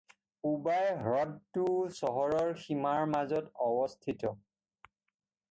পোবাই হ্ৰদটোও চহৰৰ সীমাৰ মাজত অৱস্থিত।